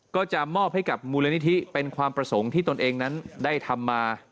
ก็จะมอบให้กับมูลนิธิเป็นความประสงค์ที่ตนเองนั้นได้ทำมา